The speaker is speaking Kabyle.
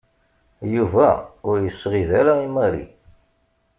Yuba ur yesɣid ara i Mary.